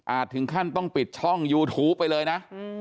ถึงขั้นต้องปิดช่องยูทูปไปเลยนะ